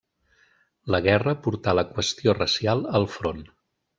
La guerra portà la qüestió racial al front.